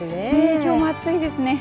きょうも暑いですね。